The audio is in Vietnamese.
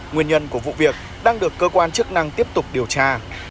nguyên nhân của vụ việc đang được cơ quan chức năng tiếp tục điều tra